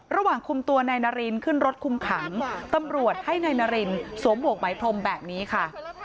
ระหว่างคุมตัวนายนารินขึ้นรถคุมขังตำรวจให้นายนารินสวมหมวกไหมพรมแบบนี้ค่ะ